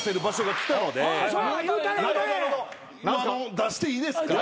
出していいですか？